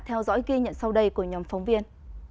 theo dõi ghi nhận sau đây của nhóm phóng viên